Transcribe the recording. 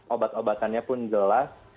obat obatannya pun jelas